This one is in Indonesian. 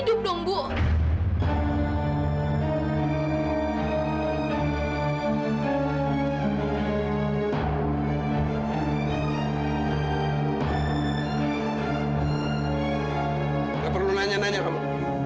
itu bung k deaf ito